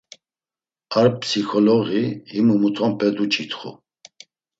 Ar psikoloği himu mutonpe cuç̌itxu.